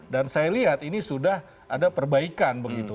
dan saya lihat ini sudah ada perbaikan begitu